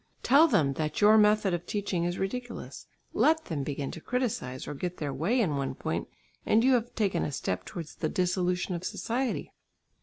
Tell them that your method of teaching is ridiculous, let them begin to criticise or get their way in one point and you have taken a step towards the dissolution of society.